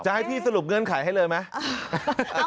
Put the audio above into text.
จะให้พี่สรุปเงินข่ายให้เลยไหม